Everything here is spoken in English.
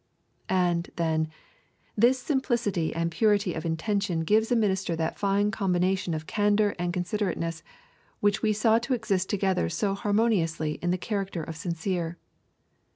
And, then, this simplicity and purity of intention gives a minister that fine combination of candour and considerateness which we saw to exist together so harmoniously in the character of Sincere.